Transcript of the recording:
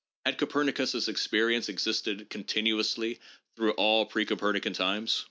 Had Copernicus's expe rience existed continuously through all pre Copernican times?